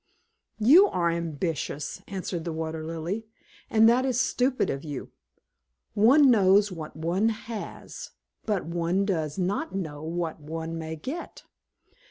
"You are ambitious," answered the Water Lily, "and that is stupid of you. One knows what one has, but one does not know what one may get.